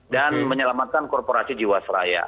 dan menyelamatkan korporasi jiwasraya